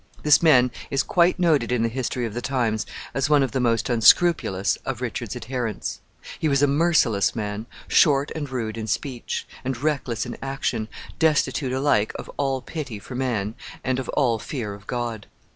This man is quite noted in the history of the times as one of the most unscrupulous of Richard's adherents. He was a merciless man, short and rude in speech, and reckless in action, destitute alike of all pity for man and of all fear of God.